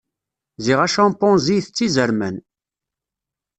Ziɣ acampanzi itett izerman.